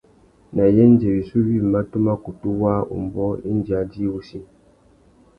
Nà yêndzê wissú wïmá tu mà kutu waā umbōh indi a djï wussi.